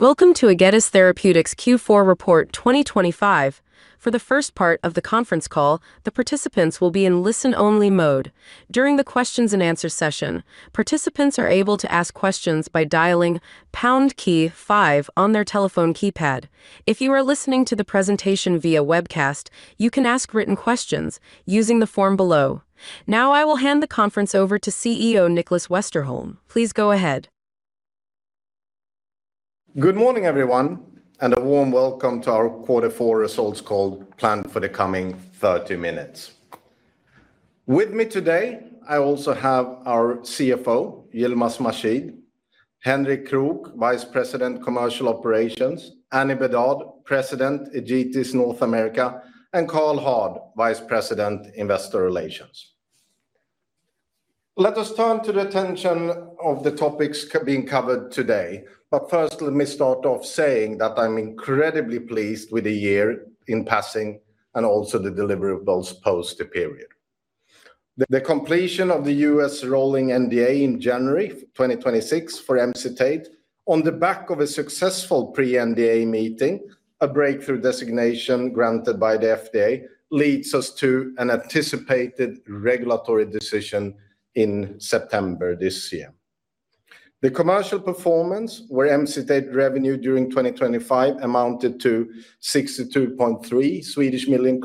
Welcome to Egetis Therapeutics Q4 Report 2025. For the first part of the conference call, the participants will be in listen-only mode. During the questions and answer session, participants are able to ask questions by dialing pound key five on their telephone keypad. If you are listening to the presentation via webcast, you can ask written questions using the form below. Now, I will hand the conference over to CEO Nicklas Westerholm. Please go ahead. Good morning, everyone, and a warm welcome to our Quarter Four results call planned for the coming 30 minutes. With me today, I also have our CFO, Yilmaz Mahshid, Henrik Krook, Vice President, Commercial Operations, Anny Bedard, President, Egetis North America, and Karl Hård, Vice President, Investor Relations. Let us turn to the attention of the topics being covered today. First, let me start off saying that I'm incredibly pleased with the year in passing and also the deliverables post the period. The completion of the U.S. rolling NDA in January 2026 for Emcitate, on the back of a successful pre-NDA meeting, a Breakthrough Therapy designation granted by the FDA, leads us to an anticipated regulatory decision in September this year. The commercial performance, where Emcitate revenue during 2025 amounted to 62.3 million,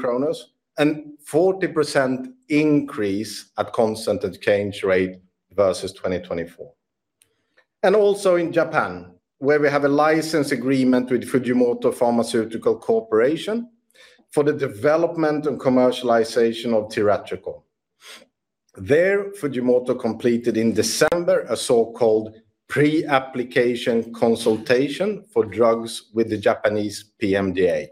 and 40% increase at constant exchange rate versus 2024. Also in Japan, where we have a license agreement with Fujimoto Pharmaceutical Corporation for the development and commercialization of tiratricol. There, Fujimoto completed in December, a so-called pre-application consultation for drugs with the Japanese PMDA.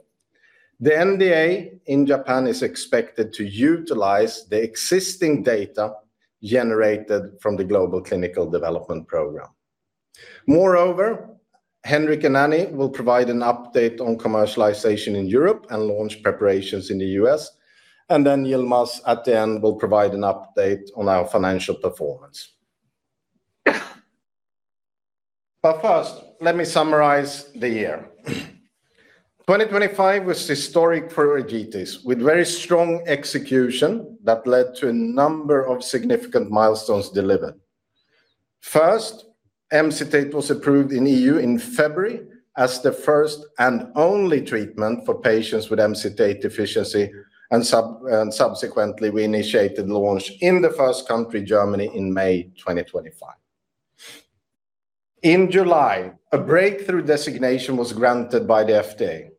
The NDA in Japan is expected to utilize the existing data generated from the global clinical development program. Moreover, Henrik and Anny will provide an update on commercialization in Europe and launch preparations in the U.S., and then Yilmaz, at the end, will provide an update on our financial performance. First, let me summarize the year. 2025 was historic for Egetis, with very strong execution that led to a number of significant milestones delivered. First, Emcitate was approved in EU in February as the first and only treatment for patients with MCT8 deficiency, and subsequently, we initiated launch in the first country, Germany, in May 2025. In July, a Breakthrough designation was granted by the FDA.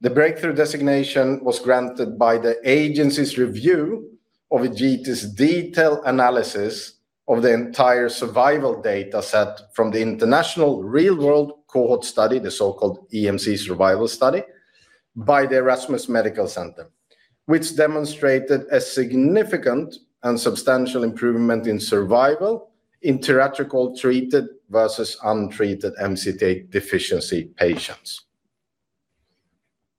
The Breakthrough designation was granted by the agency's review of Egetis' detailed analysis of the entire survival dataset from the international real-world cohort study, the so-called EMC Survival Study, by the Erasmus Medical Center, which demonstrated a significant and substantial improvement in survival in tiratricol-treated versus untreated MCT8 deficiency patients.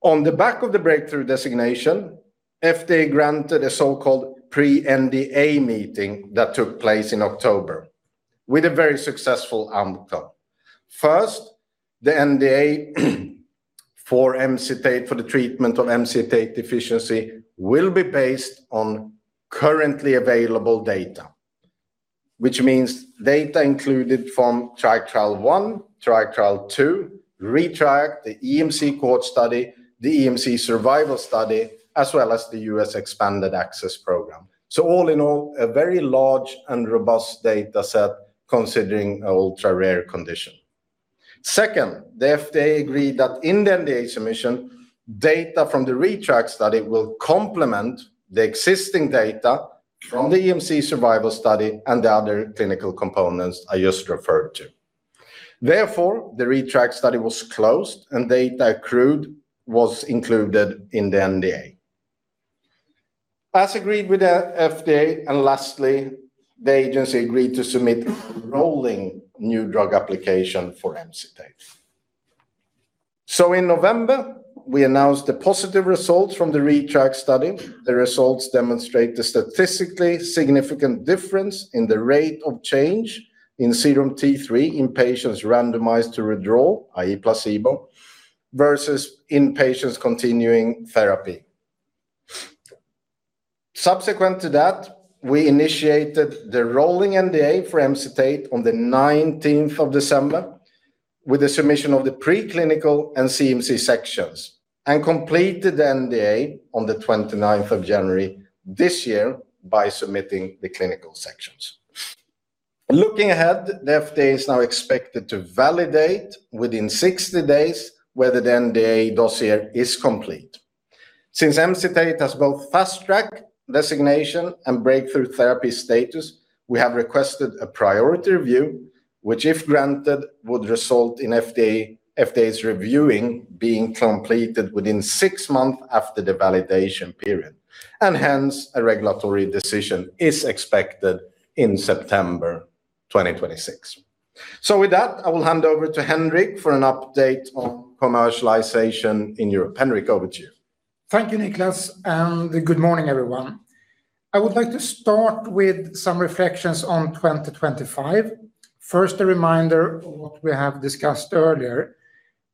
On the back of the Breakthrough designation, FDA granted a so-called pre-NDA meeting that took place in October, with a very successful outcome. First, the NDA for Emcitate, for the treatment of MCT8 deficiency, will be based on currently available data, which means data included from Triac Trial I, Triac Trial II, ReTRIACt, the EMC Cohort Study, the EMC Survival Study, as well as the U.S. Expanded Access Program. All in all, a very large and robust data set considering an ultra-rare condition. Second, the FDA agreed that in the NDA submission, data from the ReTRIACt study will complement the existing data from the EMC Survival Study and the other clinical components I just referred to. Therefore, the ReTRIACt study was closed, and data accrued was included in the NDA. As agreed with the FDA, lastly, the agency agreed to submit a rolling new drug application for Emcitate. In November, we announced the positive results from the ReTRIACt study. The results demonstrate the statistically significant difference in the rate of change in serum T3 in patients randomized to withdrawal, i.e., placebo, versus in patients continuing therapy. Subsequent to that, we initiated the rolling NDA for Emcitate on the 19th of December with the submission of the preclinical and CMC sections, and completed the NDA on the 29th of January this year by submitting the clinical sections. Looking ahead, the FDA is now expected to validate within 60 days whether the NDA dossier is complete. Since Emcitate has both Fast Track designation and Breakthrough Therapy status, we have requested a priority review, which, if granted, would result in FDA's reviewing being completed within six months after the validation period, and hence, a regulatory decision is expected in September 2026. With that, I will hand over to Henrik for an update on commercialization in Europe. Henrik, over to you. Thank you, Nicklas, good morning, everyone. I would like to start with some reflections on 2025. First, a reminder of what we have discussed earlier.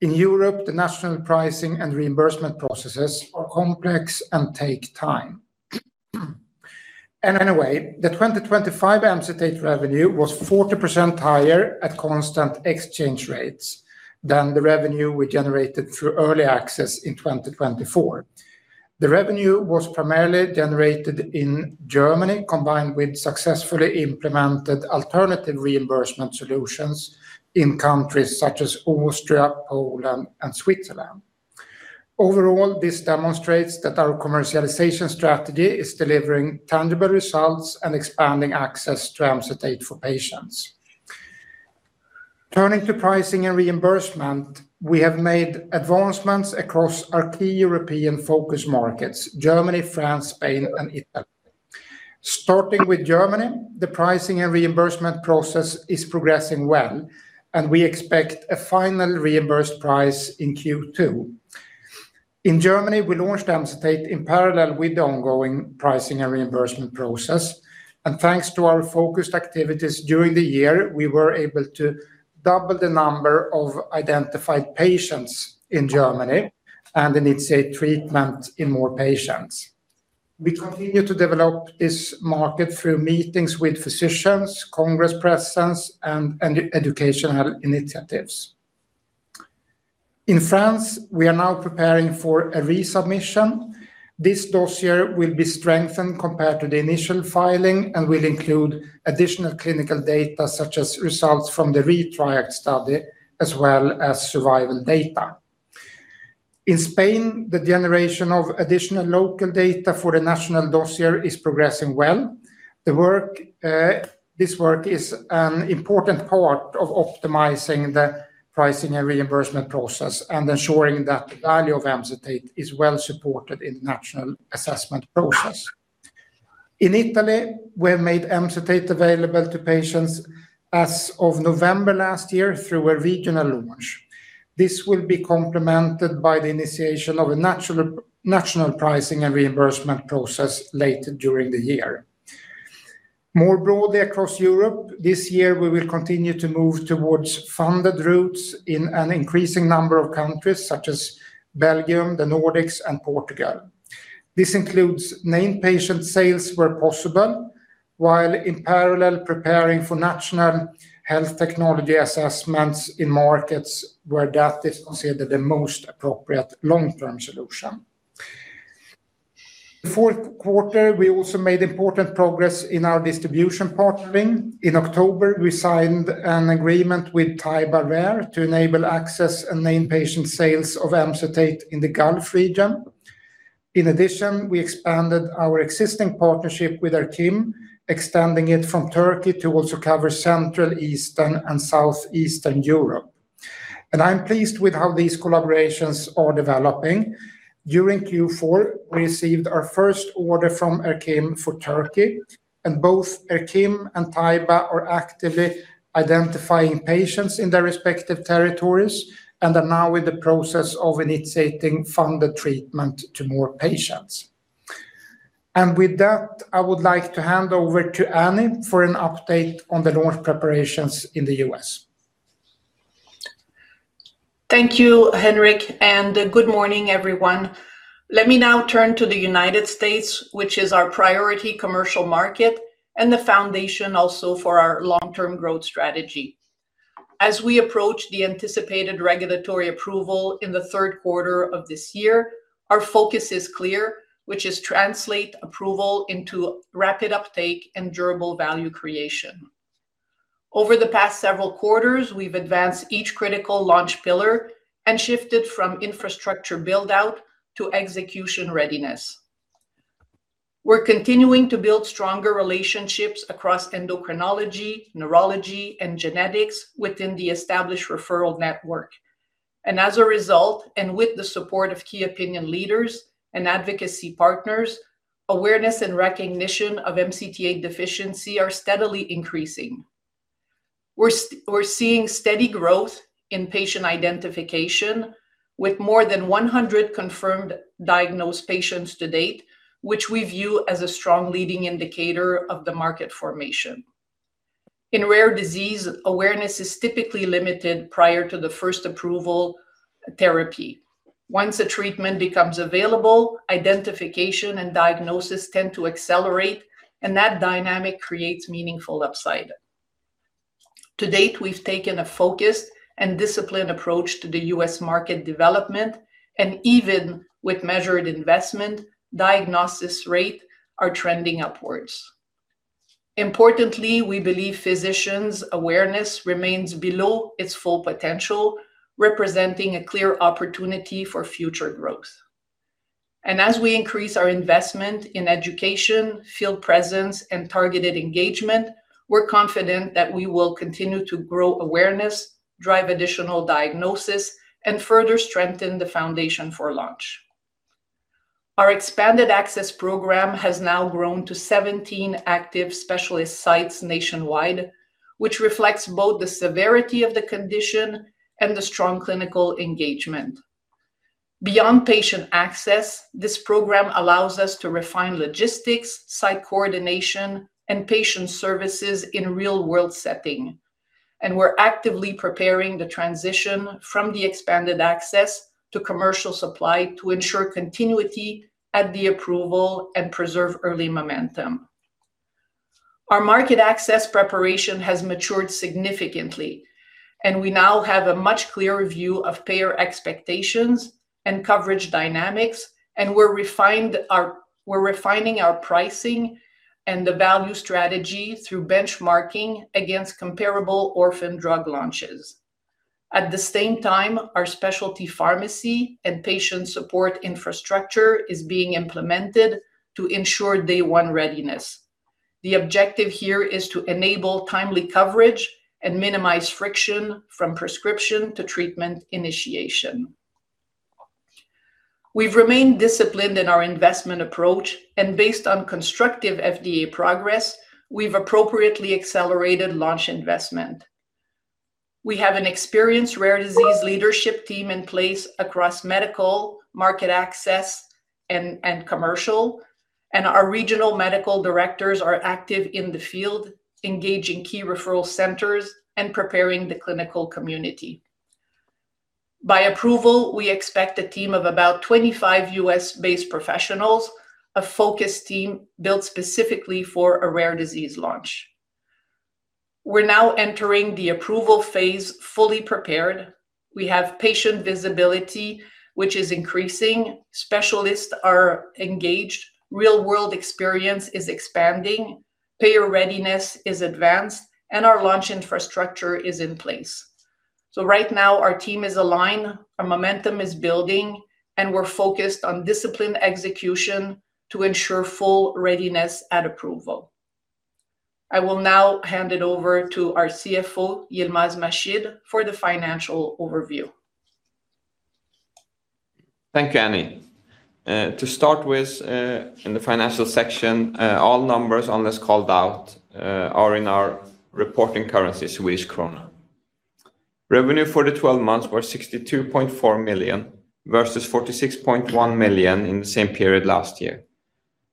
In Europe, the national pricing and reimbursement processes are complex and take time. Anyway, the 2025 Emcitate revenue was 40% higher at constant exchange rates than the revenue we generated through early access in 2024. The revenue was primarily generated in Germany, combined with successfully implemented alternative reimbursement solutions in countries such as Austria, Poland, and Switzerland. Overall, this demonstrates that our commercialization strategy is delivering tangible results and expanding access to Emcitate for patients. Turning to pricing and reimbursement, we have made advancements across our key European focus markets, Germany, France, Spain, and Italy. Starting with Germany, the pricing and reimbursement process is progressing well, and we expect a final reimbursed price in Q2. In Germany, we launched Emcitate in parallel with the ongoing pricing and reimbursement process. Thanks to our focused activities during the year, we were able to double the number of identified patients in Germany and initiate treatment in more patients. We continue to develop this market through meetings with physicians, congress presence, and educational initiatives. In France, we are now preparing for a resubmission. This dossier will be strengthened compared to the initial filing and will include additional clinical data, such as results from the ReTRIACt study, as well as survival data. In Spain, the generation of additional local data for the national dossier is progressing well. This work is an important part of optimizing the pricing and reimbursement process and ensuring that the value of Emcitate is well-supported in the national assessment process. In Italy, we have made Emcitate available to patients as of November last year through a regional launch. This will be complemented by the initiation of a national pricing and reimbursement process later during the year. More broadly across Europe, this year, we will continue to move towards funded routes in an increasing number of countries, such as Belgium, the Nordics, and Portugal. This includes named patient sales where possible, while in parallel preparing for national health technology assessments in markets where that is considered the most appropriate long-term solution. In the fourth quarter, we also made important progress in our distribution partnering. In October, we signed an agreement with taiba rare to enable access and named patient sales of Emcitate in the Gulf region. In addition, we expanded our existing partnership with Er-Kim, extending it from Turkey to also cover Central, Eastern and Southeastern Europe. I'm pleased with how these collaborations are developing. During Q4, we received our first order from Er-Kim for Turkey, and both Er-Kim and taiba are actively identifying patients in their respective territories and are now in the process of initiating funded treatment to more patients. With that, I would like to hand over to Anny for an update on the launch preparations in the U.S. Thank you, Henrik. Good morning, everyone. Let me now turn to the United States, which is our priority commercial market and the foundation also for our long-term growth strategy. As we approach the anticipated regulatory approval in the third quarter of this year, our focus is clear, which is translate approval into rapid uptake and durable value creation. Over the past several quarters, we've advanced each critical launch pillar and shifted from infrastructure build-out to execution readiness. We're continuing to build stronger relationships across endocrinology, neurology, and genetics within the established referral network. As a result, and with the support of key opinion leaders and advocacy partners, awareness and recognition of MCT8 deficiency are steadily increasing. We're seeing steady growth in patient identification, with more than 100 confirmed diagnosed patients to date, which we view as a strong leading indicator of the market formation. In rare disease, awareness is typically limited prior to the first approval therapy. Once a treatment becomes available, identification and diagnosis tend to accelerate, and that dynamic creates meaningful upside. To date, we've taken a focused and disciplined approach to the U.S. market development, and even with measured investment, diagnosis rate are trending upwards. Importantly, we believe physicians' awareness remains below its full potential, representing a clear opportunity for future growth. As we increase our investment in education, field presence, and targeted engagement, we're confident that we will continue to grow awareness, drive additional diagnosis, and further strengthen the foundation for launch. Our Expanded Access Program has now grown to 17 active specialist sites nationwide. which reflects both the severity of the condition and the strong clinical engagement. Beyond patient access, this program allows us to refine logistics, site coordination, and patient services in real-world setting. We're actively preparing the transition from the Expanded Access to commercial supply to ensure continuity at the approval and preserve early momentum. Our market access preparation has matured significantly, we now have a much clearer view of payer expectations and coverage dynamics, we're refining our pricing and the value strategy through benchmarking against comparable orphan drug launches. At the same time, our specialty pharmacy and patient support infrastructure is being implemented to ensure day one readiness. The objective here is to enable timely coverage and minimize friction from prescription to treatment initiation. We've remained disciplined in our investment approach, based on constructive FDA progress, we've appropriately accelerated launch investment. We have an experienced rare disease leadership team in place across medical, market access, and commercial, and our regional medical directors are active in the field, engaging key referral centers and preparing the clinical community. By approval, we expect a team of about 25 U.S.-based professionals, a focused team built specifically for a rare disease launch. We're now entering the approval phase, fully prepared. We have patient visibility, which is increasing. Specialists are engaged, real-world experience is expanding, payer readiness is advanced, and our launch infrastructure is in place. Right now, our team is aligned, our momentum is building, and we're focused on disciplined execution to ensure full readiness at approval. I will now hand it over to our CFO, Yilmaz Mahshid, for the financial overview. Thank you, Anny. To start with, in the financial section, all numbers on this called out are in our reporting currency, Swedish krona. Revenue for the 12 months were 62.4 million, versus 46.1 million in the same period last year,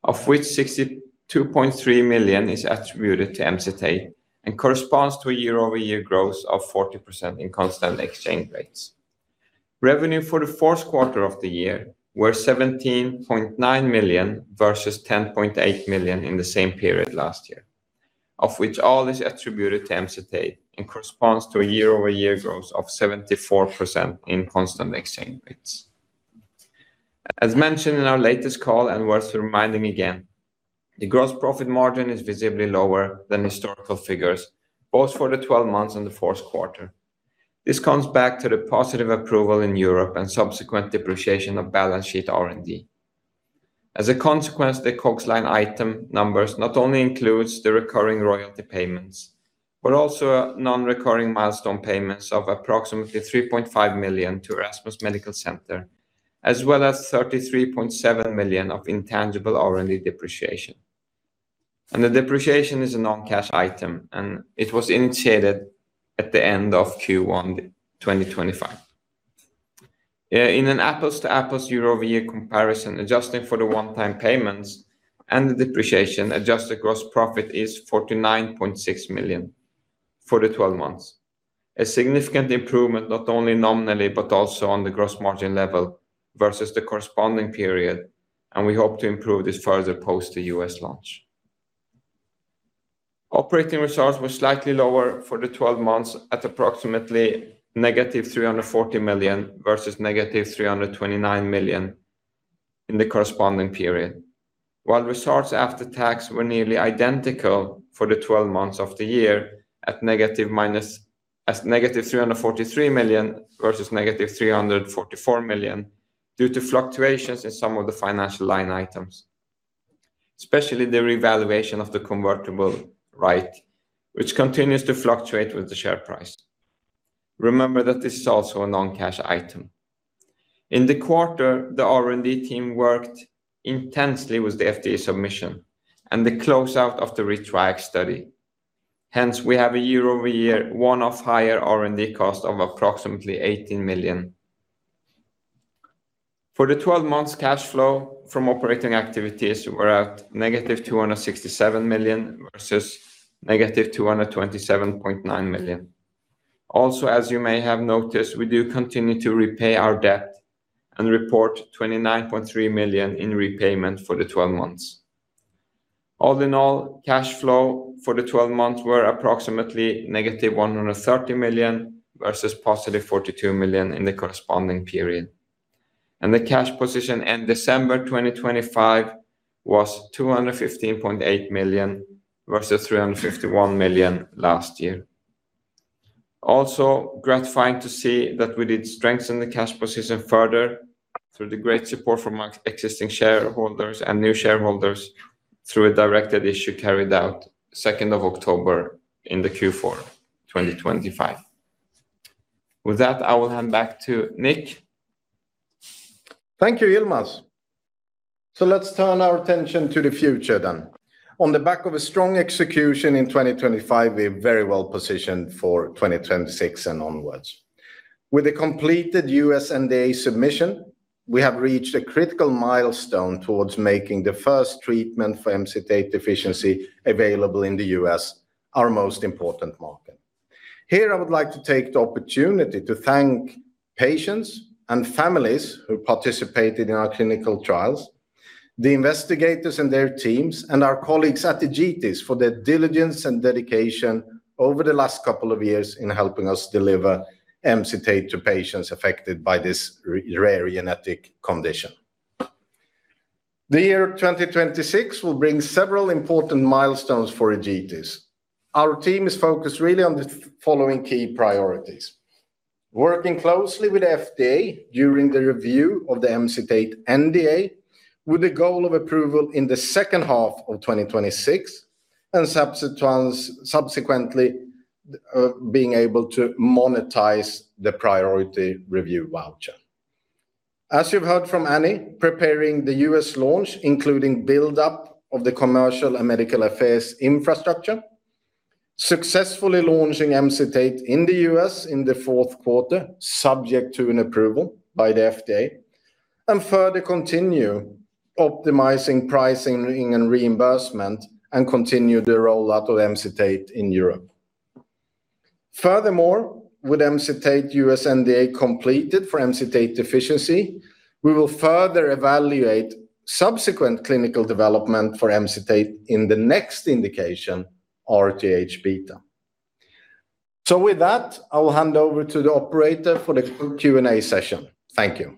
of which 62.3 million is attributed to Emcitate and corresponds to a year-over-year growth of 40% in constant exchange rates. Revenue for the Q4 of the year were 17.9 million, versus 10.8 million in the same period last year, of which all is attributed to Emcitate and corresponds to a year-over-year growth of 74% in constant exchange rates. As mentioned in our latest call, and worth reminding again, the gross profit margin is visibly lower than historical figures, both for the 12 months and the fourth quarter. This comes back to the positive approval in Europe and subsequent depreciation of balance sheet R&D. As a consequence, the COGS line item numbers not only includes the recurring royalty payments, but also a non-recurring milestone payments of approximately 3.5 million to Erasmus Medical Center, as well as 33.7 million of intangible R&D depreciation. The depreciation is a non-cash item, and it was initiated at the end of Q1 2025. In an apples-to-apples year-over-year comparison, adjusting for the one-time payments and the depreciation, adjusted gross profit is 49.6 million for the 12 months. A significant improvement, not only nominally, but also on the gross margin level versus the corresponding period, we hope to improve this further post the U.S. launch. Operating results were slightly lower for the 12 months, at approximately negative 340 million, versus negative 329 million in the corresponding period. Results after tax were nearly identical for the 12 months of the year, at negative 343 million, versus negative 344 million, due to fluctuations in some of the financial line items, especially the revaluation of the convertible rate, which continues to fluctuate with the share price. Remember that this is also a non-cash item. In the quarter, the R&D team worked intensely with the FDA submission and the closeout of the ReTRIACt study. We have a year-over-year, one-off higher R&D cost of approximately 18 million. For the 12 months, cash flow from operating activities were at -267 million, versus -227.9 million. As you may have noticed, we do continue to repay our debt and report 29.3 million in repayment for the 12 months. Cash flow for the 12 months were approximately -130 million, versus +42 million in the corresponding period. The cash position in December 2025 was 215.8 million, versus 351 million last year. Gratifying to see that we did strengthen the cash position further through the great support from our existing shareholders and new shareholders through a directed issue carried out 2nd of October in the Q4 2025. With that, I will hand back to Nick. Thank you, Yilmaz. Let's turn our attention to the future then. On the back of a strong execution in 2025, we're very well positioned for 2026 and onwards. With a completed U.S. NDA submission, we have reached a critical milestone towards making the first treatment for MCT8 deficiency available in the U.S., our most important market. Here, I would like to take the opportunity to thank patients and families who participated in our clinical trials, the investigators and their teams, and our colleagues at Egetis for their diligence and dedication over the last couple of years in helping us deliver Emcitate to patients affected by this rare genetic condition. The year 2026 will bring several important milestones for Egetis. Our team is focused really on the following key priorities: working closely with FDA during the review of the Emcitate NDA, with the goal of approval in the second half of 2026, and subsequently, being able to monetize the Priority Review Voucher. As you've heard from Anny, preparing the U.S. launch, including build-up of the commercial and medical affairs infrastructure, successfully launching Emcitate in the U.S. in the Q4, subject to an approval by the FDA, and further continue optimizing pricing and reimbursement, and continue the rollout of Emcitate in Europe. Furthermore, with Emcitate U.S. NDA completed for MCT8 deficiency, we will further evaluate subsequent clinical development for Emcitate in the next indication, RTH-beta. With that, I will hand over to the operator for the Q&A session. Thank you.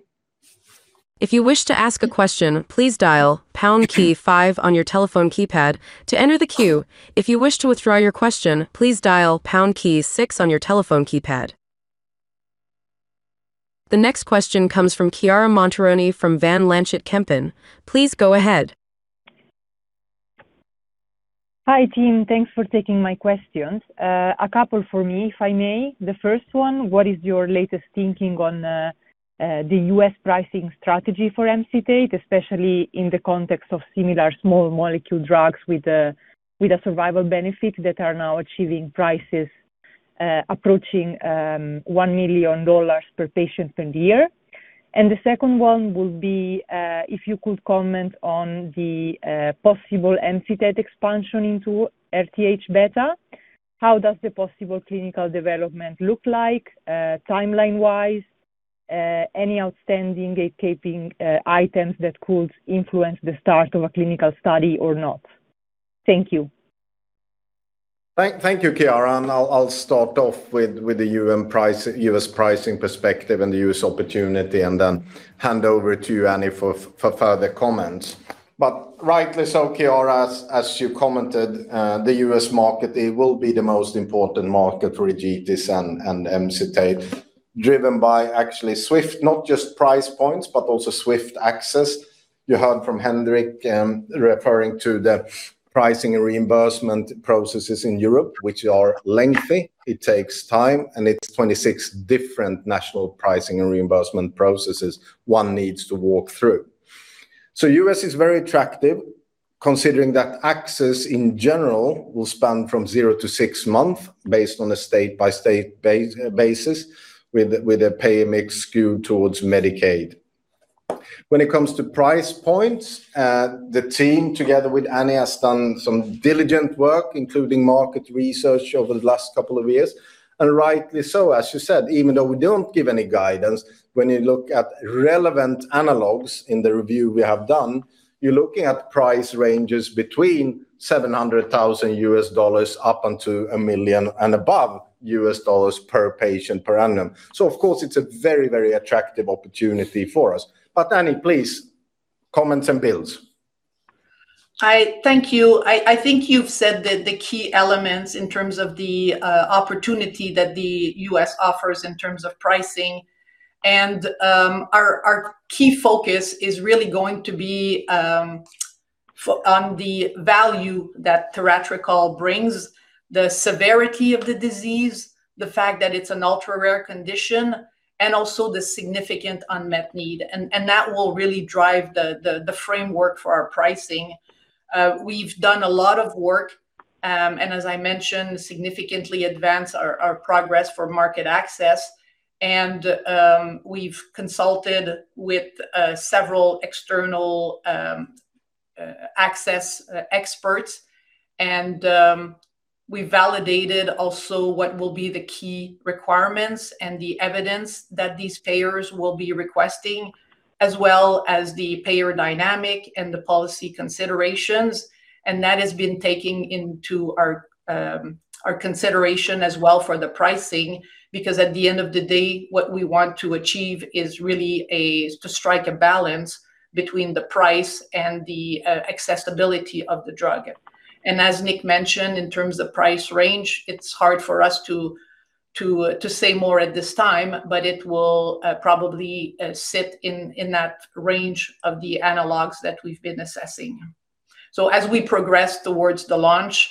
If you wish to ask a question, please dial pound key five on your telephone keypad to enter the queue. If you wish to withdraw your question, please dial pound key six on your telephone keypad. The next question comes from Chiara Montironi from Van Lanschot Kempen. Please go ahead. Hi, team. Thanks for taking my questions. A couple for me, if I may. The first one, what is your latest thinking on the U.S. pricing strategy for Emcitate, especially in the context of similar small molecule drugs with a, with a survival benefit that are now achieving prices approaching $1 million per patient per year? The second one would be, if you could comment on the possible Emcitate expansion into RTH-beta. How does the possible clinical development look like timeline-wise? Any outstanding gatekeeping items that could influence the start of a clinical study or not? Thank you. Thank you, Chiara, and I'll start off with the U.S. pricing perspective and the U.S. opportunity, then hand over to you, Anny, for further comments. Rightly so, Chiara, as you commented, the U.S. market, it will be the most important market for Egetis and Emcitate, driven by actually swift, not just price points, but also swift access. You heard from Henrik, referring to the pricing and reimbursement processes in Europe, which are lengthy, it takes time, and it's 26 different national pricing and reimbursement processes one needs to walk through. U.S. is very attractive, considering that access in general will span from zero to six months, based on a state-by-state basis, with a pay mix skewed towards Medicaid. When it comes to price points, the team, together with Anny, has done some diligent work, including market research over the last couple of years, and rightly so. As you said, even though we don't give any guidance, when you look at relevant analogues in the review we have done, you're looking at price ranges between $700,000 up until $1 million and above per patient per annum. So of course, it's a very, very attractive opportunity for us. Anny, please, comments and bills. I thank you. I think you've said that the key elements in terms of the opportunity that the U.S. offers in terms of pricing and our key focus is really going to be on the value that tiratricol brings, the severity of the disease, the fact that it's an ultra-rare condition, and also the significant unmet need, and that will really drive the framework for our pricing. We've done a lot of work, and as I mentioned, significantly advanced our progress for market access, and we've consulted with several external access experts. We validated also what will be the key requirements and the evidence that these payers will be requesting, as well as the payer dynamic and the policy considerations. That has been taking into our consideration as well for the pricing, because at the end of the day, what we want to achieve is really to strike a balance between the price and the accessibility of the drug. As Nick mentioned, in terms of price range, it's hard for us to say more at this time, but it will probably sit in that range of the analogues that we've been assessing. As we progress towards the launch,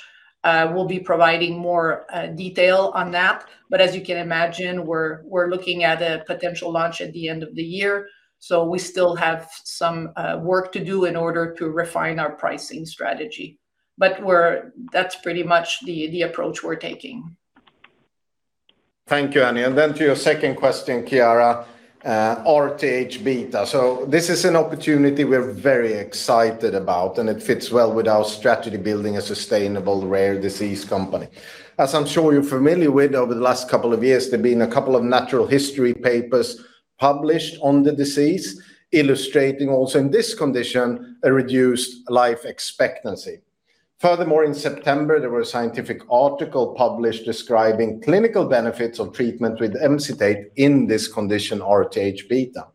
we'll be providing more detail on that. As you can imagine, we're looking at a potential launch at the end of the year, so we still have some work to do in order to refine our pricing strategy. That's pretty much the approach we're taking. Thank you, Anny. And then to your second question, Chiara, RTH-beta. This is an opportunity we're very excited about, and it fits well with our strategy, building a sustainable, rare disease company. As I'm sure you're familiar with, over the last couple of years, there have been a couple of natural history papers published on the disease, illustrating also in this condition, a reduced life expectancy. In September, there were a scientific article published describing clinical benefits of treatment with Emcitate in this condition, RTH-beta.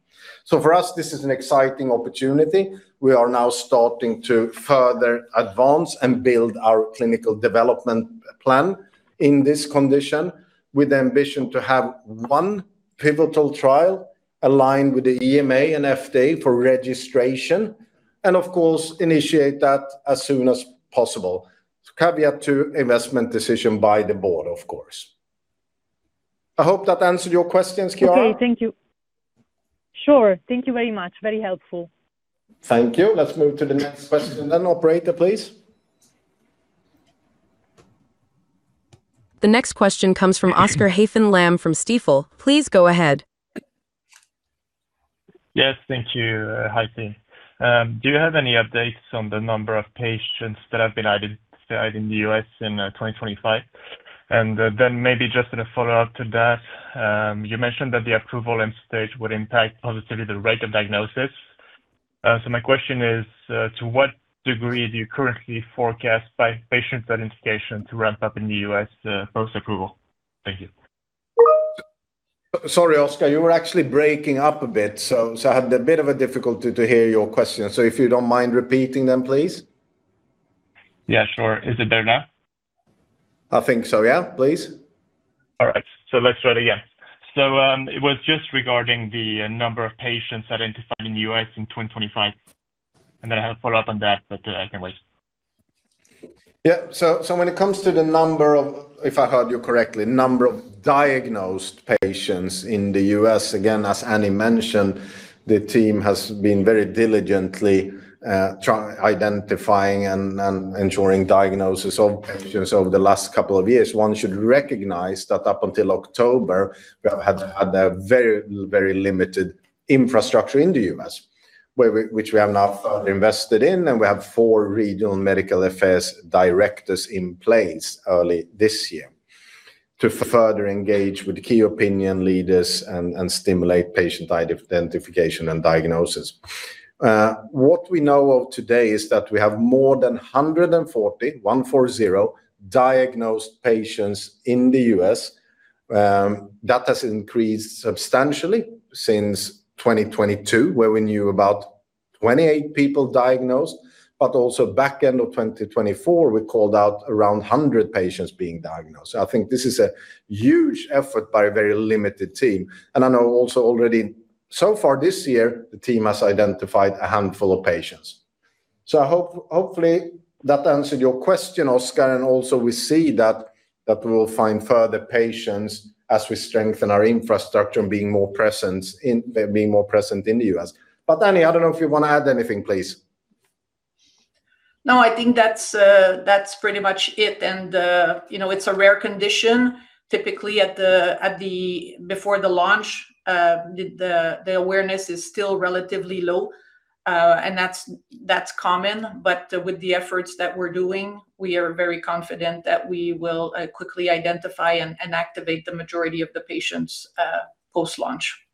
For us, this is an exciting opportunity. We are now starting to further advance and build our clinical development plan in this condition, with the ambition to have one pivotal trial aligned with the EMA and FDA for registration, and of course, initiate that as soon as possible. Caveat to investment decision by the board, of course.I hope that answered your questions, Chiara. Okay, thank you. Sure. Thank you very much. Very helpful. Thank you. Let's move to the next question then. Operator, please. The next question comes from Oscar Haffen Lamm from Stifel. Please go ahead. Yes, thank you. Hi, team. Do you have any updates on the number of patients that have been added in the U.S. in 2025? Maybe just a follow-up to that, you mentioned that the approval and stage would impact positively the rate of diagnosis. My question is to what degree do you currently forecast by patients identification to ramp up in the U.S. post-approval? Thank you. Sorry, Oscar, you were actually breaking up a bit, so I had a bit of a difficulty to hear your question. If you don't mind repeating them, please. Yeah, sure. Is it better now? I think so, yeah. Please. All right, let's try it again. It was just regarding the number of patients identified in the U.S. in 2025, and then I have a follow-up on that, but I can wait. When it comes to the number of... If I heard you correctly, number of diagnosed patients in the U.S., again, as Anny mentioned, the team has been very diligently try identifying and ensuring diagnosis of patients over the last couple of years. One should recognize that up until October, we have had a very, very limited infrastructure in the U.S., which we have now further invested in, and we have four regional medical affairs directors in place early this year to further engage with key opinion leaders and stimulate patient identification and diagnosis. What we know of today is that we have more than 140, one four zero, diagnosed patients in the U.S. That has increased substantially since 2022, where we knew about 28 people diagnosed. Also back end of 2024, we called out around 100 patients being diagnosed. I think this is a huge effort by a very limited team, and I know also already so far this year, the team has identified a handful of patients. Hopefully, that answered your question, Oscar, and also we see that we will find further patients as we strengthen our infrastructure and being more present in, being more present in the U.S. But Anny, I don't know if you wanna add anything, please. No, I think that's pretty much it, and you know, it's a rare condition. Typically, before the launch, the awareness is still relatively low, and that's common. With the efforts that we're doing, we are very confident that we will quickly identify and activate the majority of the patients post-launch.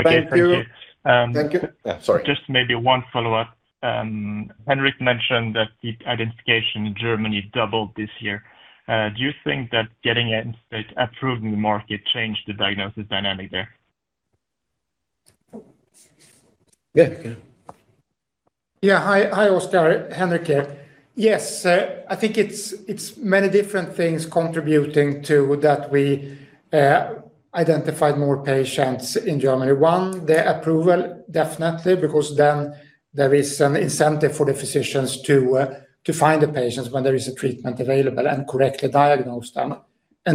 Okay. Thank you. Thank you. Yeah sorry. Just maybe one follow-up. Henrik mentioned that the identification in Germany doubled this year. Do you think that getting it approved in the market changed the diagnosis dynamic there? Yeah. Yeah. Hi, hi, Oscar. Henrik here. Yes, I think it's many different things contributing to that we identified more patients in Germany. One, the approval, definitely, because then there is an incentive for the physicians to find the patients when there is a treatment available and correctly diagnose them.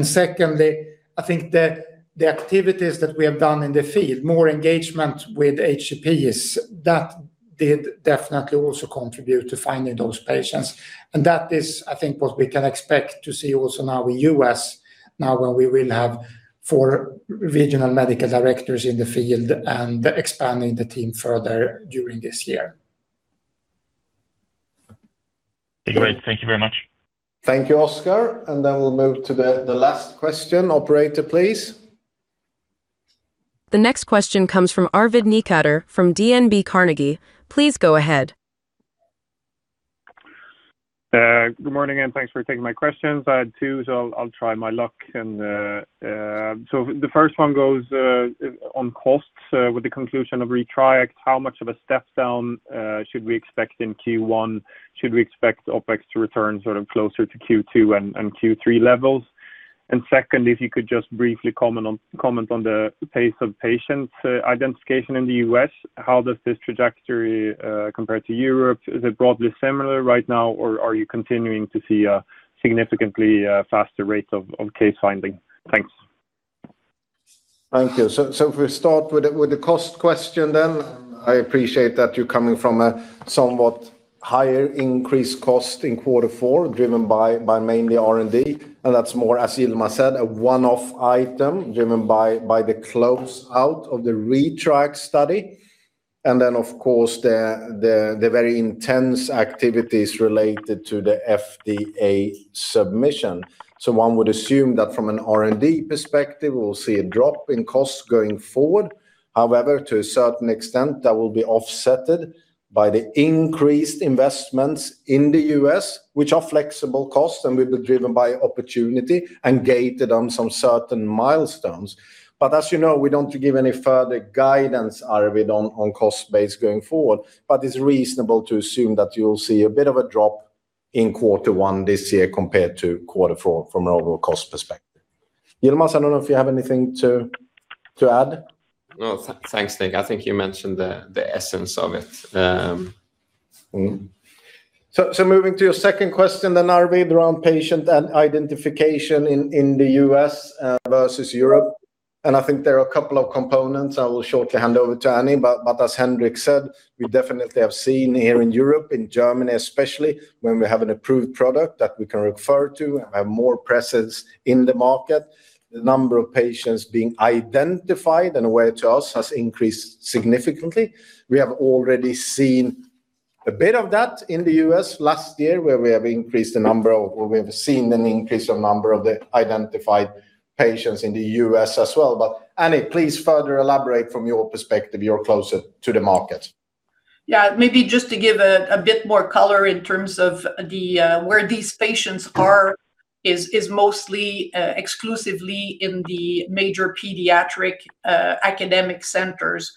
Secondly, I think the activities that we have done in the field, more engagement with HCPs, that did definitely also contribute to finding those patients, and that is, I think, what we can expect to see also now in U.S., now when we will have four regional medical directors in the field and expanding the team further during this year. Great. Thank you very much. Thank you, Oscar. Then we'll move to the last question. Operator, please. The next question comes from Arvid Necander from DNB Carnegie. Please go ahead. Good morning, and thanks for taking my questions. I had two, so I'll try my luck. The first one goes on costs. With the conclusion of ReTRIACt, how much of a step down should we expect in Q1? Should we expect OpEx to return sort of closer to Q2 and Q3 levels? Second, if you could just briefly comment on the pace of patient identification in the U.S. How does this trajectory compare to Europe? Is it broadly similar right now, or are you continuing to see a significantly faster rate of case finding? Thanks. Thank you. If we start with the cost question, I appreciate that you're coming from a somewhat higher increased cost in quarter four, driven by mainly R&D, and that's more, as Yilmaz said, a one-off item driven by the closeout of the ReTRIACt study. Of course, the very intense activities related to the FDA submission. One would assume that from an R&D perspective, we'll see a drop in costs going forward. However, to a certain extent, that will be offsetted by the increased investments in the U.S., which are flexible costs and will be driven by opportunity and gated on some certain milestones. As you know, we don't give any further guidance, Arvid, on cost base going forward. It's reasonable to assume that you'll see a bit of a drop in quarter one this year, compared to Q4 from an overall cost perspective. Yilmaz, I don't know if you have anything to add? No, thanks, Nick. I think you mentioned the essence of it. Moving to your second question, Arvid, around patient identification in the U.S. versus Europe, I think there are a couple of components I will shortly hand over to Anny. As Henrik said, we definitely have seen here in Europe, in Germany especially, when we have an approved product that we can refer to and have more presence in the market, the number of patients being identified and aware to us has increased significantly. We have already seen a bit of that in the U.S. last year, where we have seen an increase of number of the identified patients in the U.S. as well. Anny, please further elaborate from your perspective. You're closer to the market. Yeah, maybe just to give a bit more color in terms of the where these patients are is mostly exclusively in the major pediatric academic centers.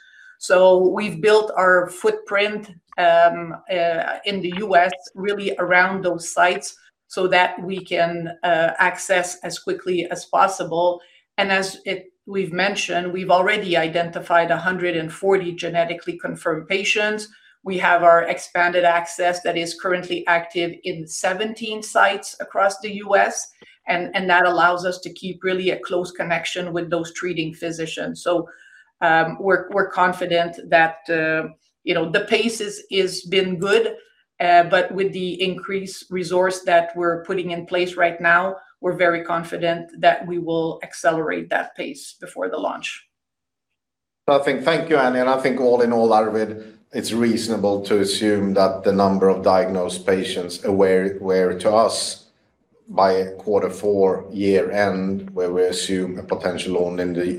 We've built our footprint in the U.S., really around those sites so that we can access as quickly as possible. As we've mentioned, we've already identified 140 genetically confirmed patients. We have our Expanded Access that is currently active in 17 sites across the U.S., and that allows us to keep really a close connection with those treating physicians. We're confident that, you know, the pace is been good, but with the increased resource that we're putting in place right now, we're very confident that we will accelerate that pace before the launch. Thank you, Anny, and I think all in all, Arvid, it's reasonable to assume that the number of diagnosed patients aware to us by Q4, year-end, where we assume a potential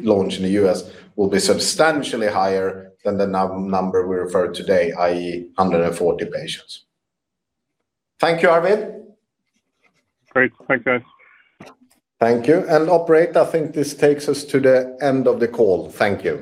launch in the US, will be substantially higher than the number we refer to today, i.e., 140 patients. Thank you, Arvid. Great. Thank you. Thank you. Operator, I think this takes us to the end of the call. Thank you.